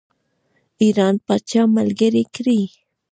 ایران پاچا ملګری کړي.